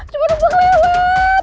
cuman gue mau kelewat